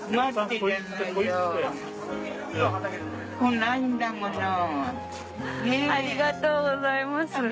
ありがとうございます。